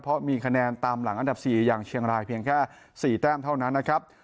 เพราะมีคะแนนตามหลังอันดับ๔อย่างเชียงรายเพียงแค่๔แต้มเท่านั้นนะครับ